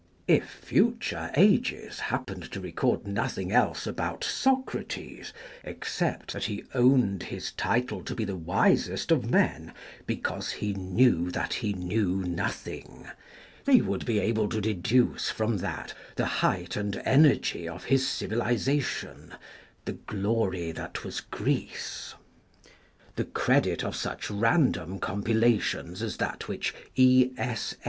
If future ages happened to record nothing else about Socrates except that he owned his title to be the wisest of men because he knew that he knew nothing, they would be able to deduce from that the height and energy of his civilization, the glory that was Greece. The credit of such random com pilations as that which " E.